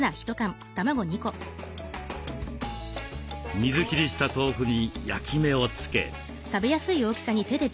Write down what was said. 水切りした豆腐に焼き目をつけ。